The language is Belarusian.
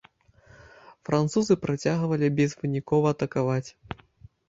Французы працягвалі безвынікова атакаваць.